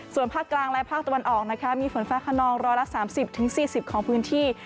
ส่วนภาคกลางและภาคตะวันออกนะคะมีฝนฟ้าขนอง๑๓๐๔๐ของพื้นที่